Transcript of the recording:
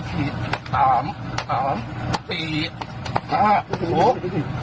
สามสามสี่ห้าหก